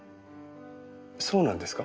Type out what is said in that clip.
そうなんですか？